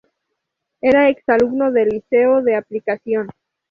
Era ex alumno del Liceo de Aplicación.